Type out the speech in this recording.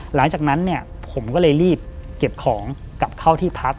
หลังจากนั้นเนี่ยผมก็เลยรีบเก็บของกลับเข้าที่พัก